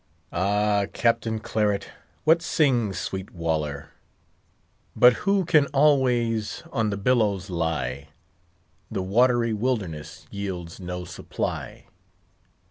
Ah! Captain Claret, what sings sweet Waller: 'But who can always on the billows lie? The watery wilderness yields no supply.